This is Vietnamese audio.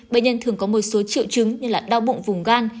bệnh nhân thường có một số triệu chứng như đau bụng vùng gan